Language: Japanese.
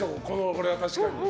これは確かに。